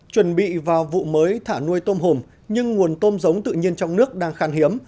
chuẩn bị vào vụ mới thả nuôi tôm hùm nhưng nguồn tôm giống tự nhiên trong nước đang khan hiếm